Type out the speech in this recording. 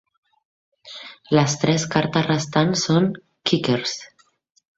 Les tres cartes restants són "kickers".